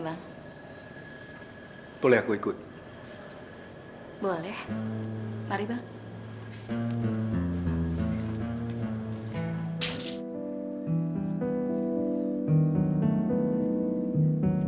jangan lupa untuk memberikan komentar dan menyalinya pada saya